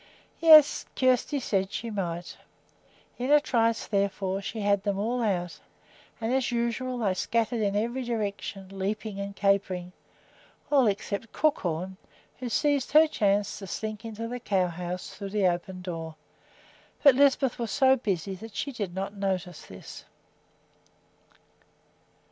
Yes, Kjersti said she might. In a trice, therefore, she had them out, and as usual they scattered in every direction, leaping and capering, all except Crookhorn, who seized her chance to slink into the cow house through the open door; but Lisbeth was so busy that she did not notice this.